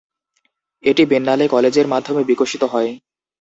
এটি বেন্নালে কলেজের মাধ্যমে বিকশিত হয়।